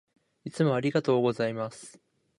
いつもありがとうございます。